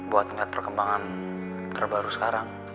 buat ngeliat perkembangan terbaru sekarang